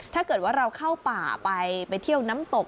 ถ้าเกิดว่าเราเข้าป่าไปไปเที่ยวน้ำตก